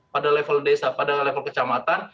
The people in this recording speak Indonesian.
pada level desa pada level kecamatan